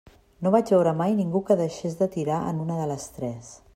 No vaig veure mai ningú que deixés de tirar en una de les tres.